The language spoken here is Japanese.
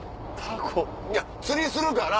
いや釣りするから。